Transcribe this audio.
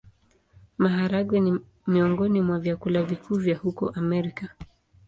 Maharagwe ni miongoni mwa vyakula vikuu vya huko Amerika.